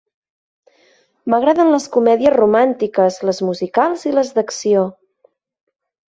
M'agraden les comèdies romàntiques, les musicals i les d'acció.